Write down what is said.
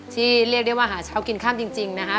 ที่เรียกเรียกว่าหาเช้ากินข้ามจริงนะคะ